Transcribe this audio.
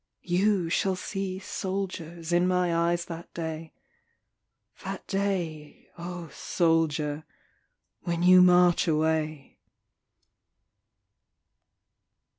You shall see soldiers in my eyes that day That day, O soldier, when you march away.